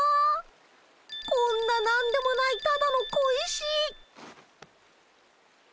こんな何でもないただの小石。